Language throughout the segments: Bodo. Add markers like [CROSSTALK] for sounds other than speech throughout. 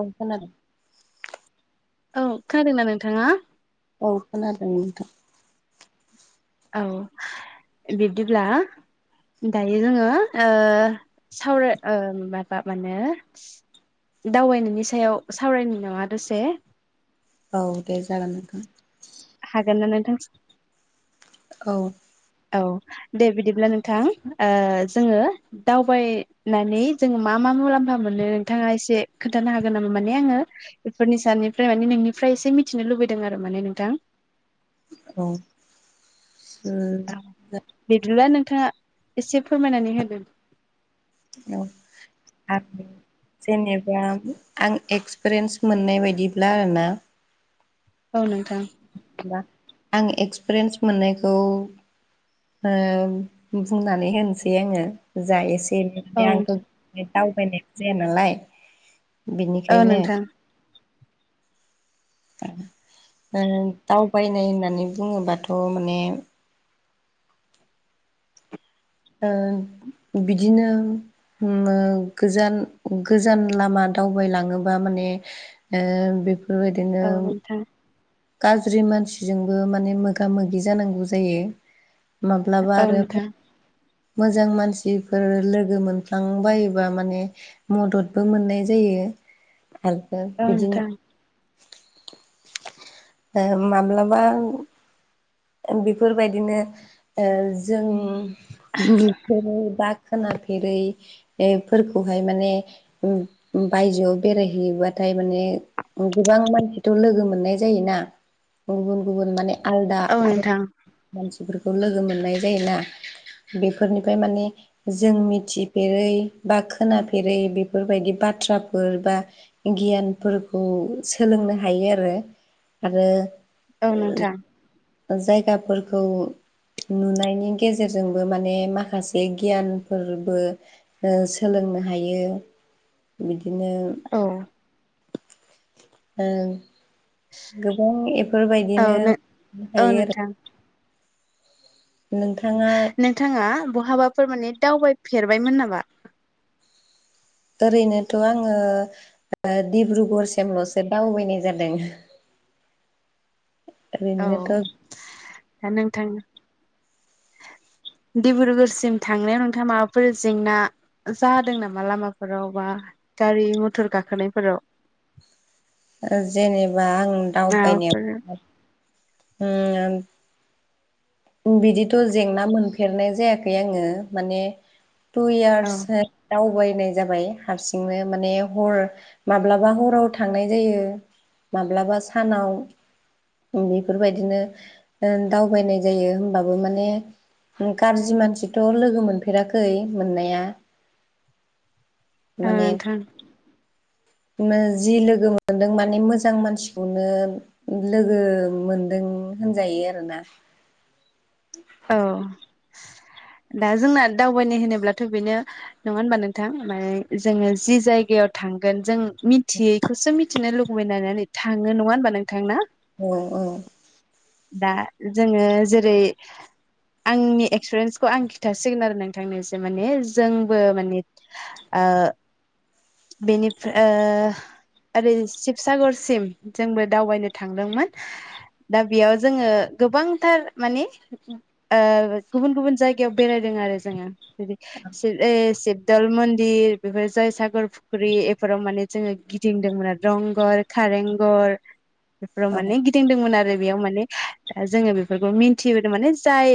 औ खोनादों औ खोनादोंना नोंथाङा ओ खोनादों नोंथां औ बिब्दिब्ला दायो जोङो सावराय ओ माबा मानो दावबायनायनि सायाव सावरायनो नङा दसे औ दे जागोन नोंथां हागोनना नोंथां औ औ दे बिदिब्ला नोंथां जोङो दावबायनानै जोंङ मा मा मुलाम्फा मोनो नोंथाङा एसे खोन्थानो हागोन नामा माने आङो बेफोरनि साननिफ्राय माने नोंनिफ्राय एसे मिथिनो लुबैदों आरो माने नोंथां औ ओम बिदिब्ला नोंथाङा एसे फोरमायनानै होदो औ आरो जेनेबा आं एक्सपिरियेन्स मोननाय बायदिब्ला आरोना औ नोंथां ा आं एक्सपिरियेन्स मोननायखौ बुंनानै होनोसै आङो जा एसे एनै औ माने आंथ दावबायनायबो जाया नालाय बिनिखायनो नोंथां दावबायनाय होननानै बुङोबाथ' माने ओ बिदिनो गोजान गोजान लामा दावबायलाङोबा माने ओ बेफोरबायदि औ नोंथां गाज्रि मानसिजोंबो माने मोगा मोगि जानांगौ जायो माब्लाबा औ आरो नोंथां मोजां मानसिफोर लोगो मोनफ्लांबायोबा माने मददबो मोननाय जायो आरो औ बिदिनो नोंथां ओ माब्लाबा बेफोरबायदिनो ओ जों बा खोनाफेरैफोरखौहाय माने बायजोआव बेरायहैयोबाथाय माने गोबां मानसिथ' लोगो मोननाय जायोना गुबुन गुबुन माने आलदा औ नोंथां मानसिफोरखौ लोगो मोननाय जायोना बेफोरनिफ्राय माने जों मिथिफेरै बा खोनाफेरै बेफोरबायदि बाथ्राफोर बा गियानफोरखौ सोलोंनो हायो आरो आरो औ नोंथां जायगाफोरखौ नुनायनि गेजेरजोंबो माने माखासे गियानफोरबो सोलोंनो हायो बिदिनो औ गोबां एफोरबायदिनो नो औ हायो आरो नोंथां नोंथाङा नोंथाङा बहाबाफोर माने दावबायफेरबायमोन नामा ओरैनोथ' आङो डिब्रुगड़सिमल'सो दावबायनाय जादों [INAUDIBLE] औ ओरैनो थ' नोंथां डिब्रुगड़ सिम थांनायाव नोंथाङा माबाफोर जेंना जादों नामा लामाफोराव बा गारि मथर गाखोनायफोराव जेनेबा आं माबाफोर [UNINTELLIGIBLE] आं बिदिथ' जेंना मोनफेरनाय जायाखै आङो माने टु औ इयार्स दावबायनाय जाबाय हारसिंनो माने हर माब्लाबा हराव थांनाय जायो माब्लाबा सानाव बेफोरबायदिनो दावबायनाय जायो होमबाबो माने गाज्रि मानसिथ' लोगो मोनफेराखै मोननाया ओ माने नोंथां जि लोगो मोनदों माने मोजां मानसिखौनो लोगो मोनदों होनजायो आरोना औ दा जोंना दावबायनाय होनोब्लाथ' बेनो नङा होनबा नोंथां मान जोङो जि जायगायाव थांगोन जों मिथियैखौसो मिथिनो लुगैबायनायनै थाङो नङा होनबा नोंथां ना औ औ दा जोङो जेरै आंनि एक्सपिरियेन्सखौ आं खिन्थासिगोन आरो नोंथांनो एसे माने जोंबो माने बेनिफ्राय ओरै शिबसागड़सिम जोंबो दावबायनो थांदोंमोन दा बेयाव जोङो गोबांथार माने गुबुन गुबुन जायगायाव बेरायदों आरो जोङो सिब ए सिशबदल मन्दिर बेफोर जयसागर फुख्रि एफोराव माने जोङो गिदिंदोंमोन आरो रंघर खारेंघर बेफोराव माने औ गिदिंदोंमोन आरो बेयाव माने जोङो बेफोरखौ मिन्थिबोदों माने जाय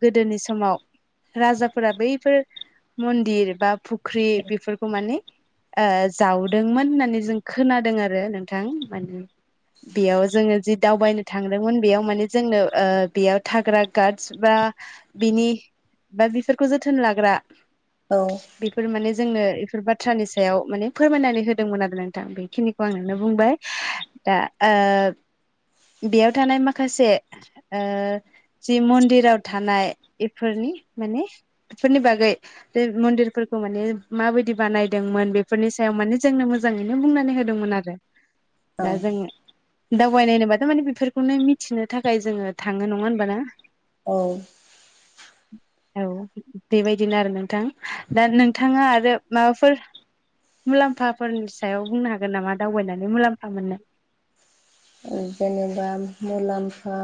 गोदोनि समाव राजाफोरा बैफोर मन्दिर बा फुख्रि बेफोरखौ माने जावदोंमोन होननानै जों खोनादों आरो नोंथां माने बेयाव जोङो जि दावबायनो थांदोंमोन बेयाव माने जोंनो बेयाव थाग्रा गार्डस बा बिनि बा बेफोरखौ जोथोन लाग्रा औ बेफोर माने जोंनो बेफोर बाथ्रानि सायाव माने फोरमायनानै होदोंमोन आरो नोंथां बेखिनिखौ [UNINTELLIGIBLE] बुंबाय दा ओ बेयाव थानाय माखासे ओ जि मन्दिराव थानाय बेफोरनि माने बेफोरनि बागै बे मन्दिरफोरखौ माने माबायदि बानायदोंमोन बेफोरनि सायाव माने जोंनो मोजाङैनो बुंनानै होदोंमोन आरो [INAUDIBLE] औ दा जों दावबायनाय होनोबाथ माने बेफोरखौनो मिथिनो थाखाय जोङो थाङो नङा होनबा ना औ औ बेबायदिनो आरो नोंथां दा नोंथाङा आरो माबाफोर मुलाम्फाफोरनि सायाव बुंनो हागोन नामा दावबायनानै मुलाम्फा मोननो जेनेबा मुलाम्फा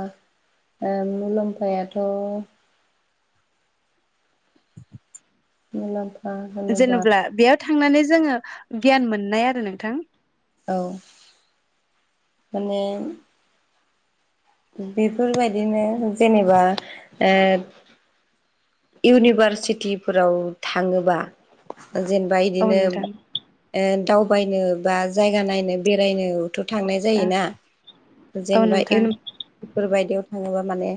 मुलाम्फायाथ' मुलाम्फा होनोबा जेनेब्ला बेयाव थांनानै जोङो गियान मोननाय आरो नोंथां औ माने बेफोरबायदिनो जेनेबा ओ इउनिभारसिटिफोराव थाङोबा जेनेबा औ इदिनो नोंथां ओ दावबायनो बा जायगा नायनो बेरायनोथ' थांनाय जायोना औ जेनेबा नोंथां इउनिभारसिफोर बायदियाव थाङोबा माने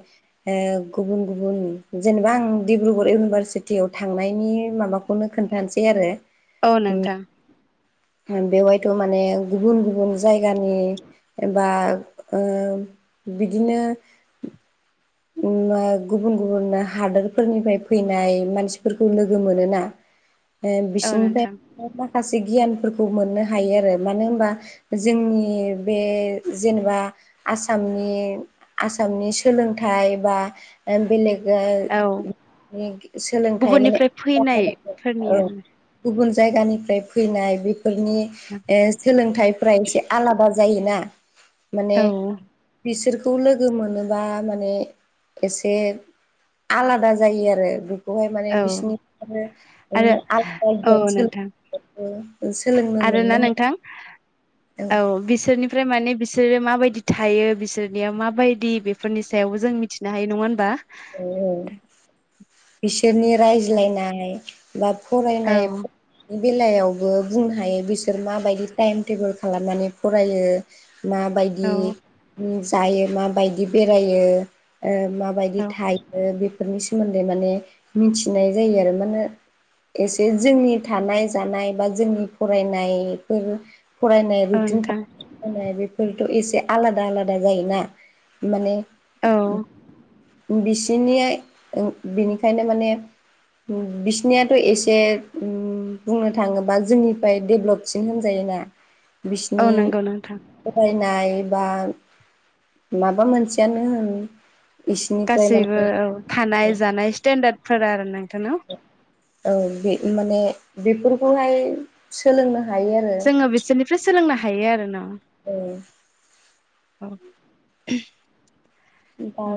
ओ गुबुन गुबुन जेनेबा आं डिब्रुगर इउनिभारसिटियाव थांनायनि माबा खौनो खोन्थानोसै आरो औ नोंथां बेवहायथ' माने गुबुन गुबुन जायगानि बा ओ बिदिनो गुबुन गुबुन हादोरफोरनिफ्राय फैनाय मानसिफोरखौ लोगो मोनोना [INAUDIBLE] ओ औ बिसोरनिफ्राय नोंथां माखासे गियानफोरखौ मोननो हायो आरो मानो होनबा जोंनि बे जेनेबा आसामनि आसामनि सोलोंथाइ बा बेलेग औ सोलोंथाइ माने गुबुननिफ्राय फैनायफोरनि औ आरो गुबुन जायगानिफ्राय फैनाय बेफोरनि सोलोंथाइफ्रा एसे आलादा जायोना माने औ बिसोरखौ लोगो मोनोबा माने एसे आलादा जायो आरो बेहाय माने औ बिसिोरनि आरो औ आलदा आ नोंथां सोलोंनो आरोना मोननो हागौ नोंथां औ बिसोरनि ओमफ्राय माने बिसोरो माबायदि थायो बिसोरनिया माबायदि बेफोरनि सायावबो जों मिथिनो हायो नङा होनबा औ औ बिसोरनि रायजलायनाय बा औ फरायनाय बेलायावबो बुंनो हायो बिसोर माबायदि टाइम टेबोल खालामनानै फरायो माबायदि औ जायो माबायदि बेरायो ओ माबायदि औ थायो बेफोरनि सोमोन्दै माने मिथिनाय जायो आरो माने एसे जोंनि थानाय जानाय बा जोंनि फरायनायफोर फरायनाय औ नोंथां [UNINTELLIGIBLE] बे फोरथ' एसे आलादा आलादा जायोना माने औ बिसिनि बिनिखायनो माने बिसिनिाथ' एसे बुंनो थाङोबा जोंनिफ्राय डेभलपसिन होनजायोना [INAUDIBLE] बिसिनि नंगौ नोंथां फरायनाय बा माबा मोनसेयानो होन इसिनि गासैबो औ थानाय जानाय स्टेेनडार्द फोर आरो नोंथांनाव औ बि माने बेफोरखौहाय सोलोंनो हायो आरो जोङो बिसोरनिफ्राय सोलोंनो हायो आरो ना। ए दा औ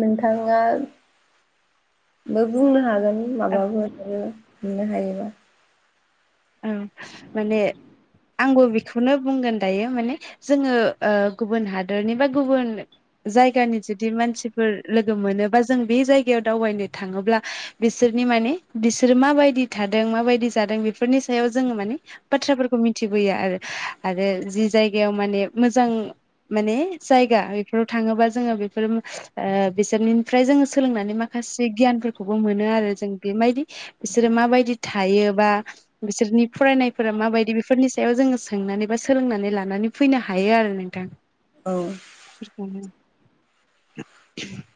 नोंथा ङानो बुंनो हागोन। माबाबो हमनो हायोबा औ माने आंबो बेखौनो बुंगोन दायो माने जोङो ओ गुबुन हादरनि बा गुबुन जायगानि जुदि मानसिफोर लोगो मोनो बा जों बे जायगायाव दावबायनो थाङोब्ला बिसोरनि माने बिसोरो माबायदि थादों माबायदि जादों बेफोरनि सायाव जोङो माने बाथ्राफोरखौ मिथिबोयो आरो आरो जि जायगायाव माने मोजां माने जायगा इफोराव थाङोबा जोङो बेफोर बिसोरनिफ्राय जोङो सोलोंनानै माखासे गियानफोरखौबो मोनो। आरो जों बेबायदि बिसोरो माबायदि थायो बा बिसोरनि फरायनायफोरा माबायदि बेफोरनि सायाव जोङो सोंनानै बा सोलोंनानै लानानै फैनो हायो। आरो नों [UNINTELLIGIBLE] औ खिथानो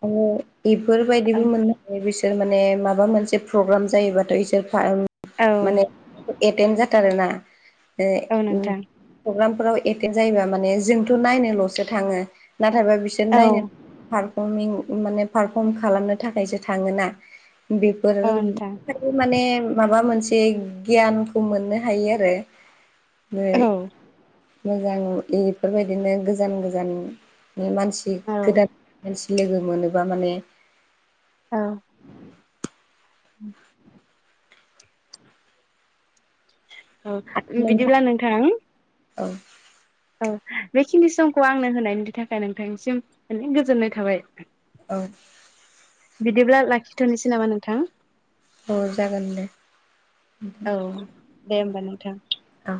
आरो इफोरबायदिबो मोननो हायो। बिसोर बिसोर माने माबा मोनसे प्रग्राम जायोबाथ' इसोर औ माने एटेम जाटारो ना औ नोंथां प्रग्रामफोराव एटे जायोबा माने जोंथ' नायनोल'सो थाङो नाथायबा बिसोर औ नायनो मिं माने पारफर्म खालामनो थाखायसो थाङोना बेफोर औ नोंथां माने माबा मोनसे गियानखौ मोननो हायो आरो। औ मोजां इफोरबायदिनो गोजान गोजान मानसि गोदान मानसि लोगो मोनोबा माने औ [INAUDIBLE] औ बिदिब्ला नोंथां औ औ बेखिनि समखौ आंनो होनायनि थाखाय नोंथांनिसिम माने गोजोननाय थाबाय। औ बिदिब्ला लाखिथ'नोसै नामा नोंथां? अ जागोन दे। औ दे होमबा नोंथां। औ